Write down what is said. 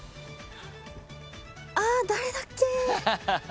あ誰だっけ？